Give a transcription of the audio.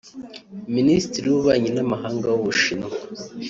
Minisitiri w’Ububanyi n’Amahanga w’u Bushinwa